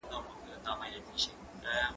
دا پاکوالی له هغه ضروري دی!؟